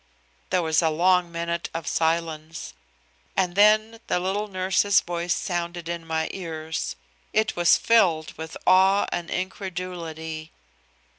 There was a long minute of silence, and then the little nurse's voice sounded in my ears. It was filled with awe and incredulity.